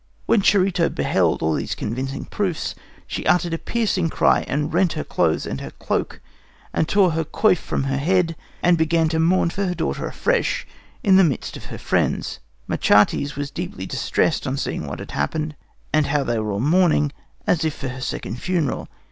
When Charito beheld all these convincing proofs, she uttered a piercing cry, and rent her clothes and her cloak, and tore her coif from her head, and began to mourn for her daughter afresh in the midst of her friends. Machates was deeply distressed on seeing what had happened, and how they were all mourning, as if for her second funeral.